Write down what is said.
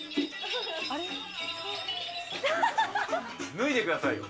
脱いでくださいよ。